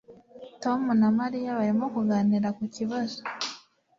Tom na Mariya barimo kuganira ku kibazo